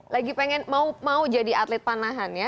lagi pengen mau jadi atlet panahan ya